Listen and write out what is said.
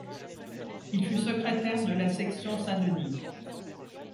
Il fut secrétaire de la section Saint-Denis.